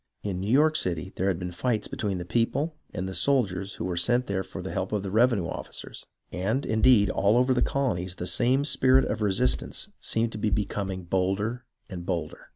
In New York City, there had been fights between the people and the soldiers who were sent there for the help of the revenue officers, and, indeed, all over the colonies the same spirit of resistance seemed to be becoming bolder and bolder.